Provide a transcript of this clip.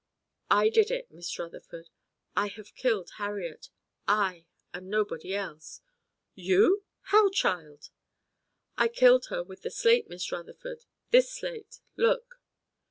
"I did it, Miss Rutherford. I have killed Harriet. I, and nobody else." "You? How, child?" "I killed her with the slate, Miss Rutherford; this slate, look."